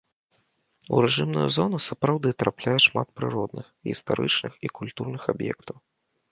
У рэжымную зону сапраўды трапляе шмат прыродных, гістарычных і культурных аб'ектаў.